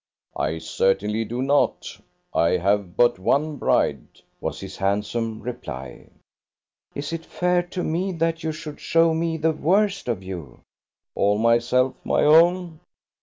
"I certainly do not: I have but one bride," was his handsome reply. "Is it fair to me that you should show me the worst of you?" "All myself, my own?"